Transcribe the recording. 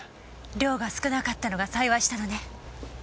量が少なかったのが幸いしたのね。